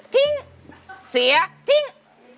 ทิ้งเสียทิ้ง